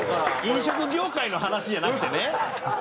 飲食業界の話じゃなくてね。